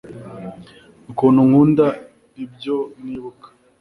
ukuntu nkunda ibyo nibuka